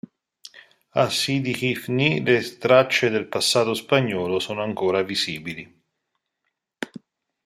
A Sidi Ifni le tracce del passato spagnolo sono ancora visibili.